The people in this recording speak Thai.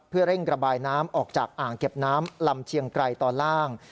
เพื่อเร่งระบายน้ำออกจากอ่างเก็บน้ำลำเชียงไกรตอนล่าง